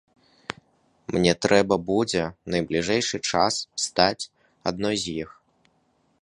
Мне трэба будзе на бліжэйшы час стаць адной з іх!